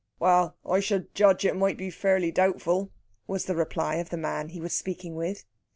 "Well, I should judge it might be fairly doubtful," was the reply of the man he was speaking with.